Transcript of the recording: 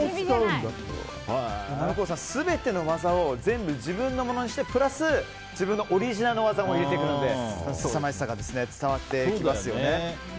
Ｎａｌｕｃｏさん全ての技を全部自分のものにしてプラス自分のオリジナルの技も入れてくるのですさまじさが伝わってきますよね。